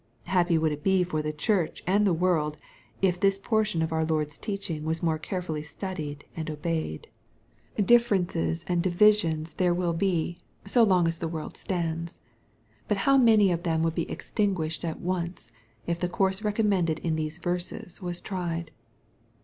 Happy would it be for the Church and the world, if this portion of our Lord's teaching was more carefully studied and obeyed. Differences and 10* 226 BXPOSITOBT THOUGHTS. divisions there will be, so long as the world stands. But how many of them would be extinguished at once, if the course recommended in these verses was tried.